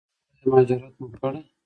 ایا مهاجرت مو کړی؟